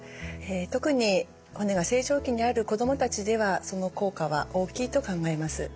特に骨が成長期にある子どもたちではその効果は大きいと考えます。